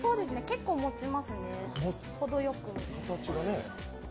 結構もちますね、ほどよく。